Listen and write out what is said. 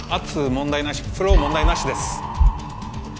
問題なしフロー問題なしです